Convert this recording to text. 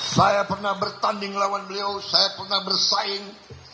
saya pernah bertanding lawan beliau saya pernah bersaing